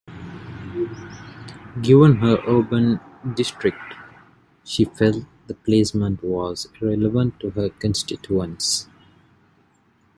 Given her urban district, she felt the placement was irrelevant to her constituents.